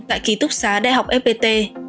tại kỳ túc xá đại học fpt